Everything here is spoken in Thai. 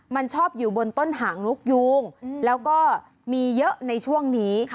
มันชอบอยู่บนต้นหางนกยูงแล้วก็มีเยอะในช่วงนี้